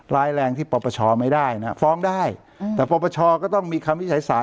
รายแรงที่ประประชอไม่ได้นะฟ้องได้อืมแต่ประประชอก็ต้องมีคำวิจัยสาร